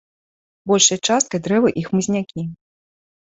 Большай часткай дрэвы і хмызнякі.